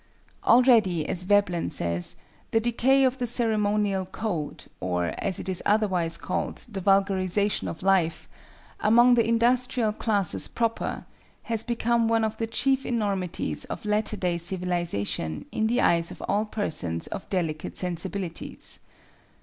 Already, as Veblen says, "the decay of the ceremonial code—or, as it is otherwise called, the vulgarization of life—among the industrial classes proper, has become one of the chief enormities of latter day civilization in the eyes of all persons of delicate sensibilities."